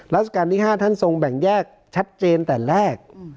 ราชการที่๕ท่านทรงแบ่งแยกชัดเจนแต่แรก